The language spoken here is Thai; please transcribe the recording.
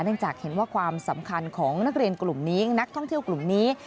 จากเห็นว่าความสำคัญของนักเรียนกลุ่มนี้นักท่องเที่ยวกลุ่มนี้